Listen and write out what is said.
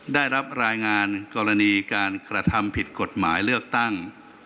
ได้รับรายงานกรณีการกระทำผิดกฎหมายเลือกตั้ง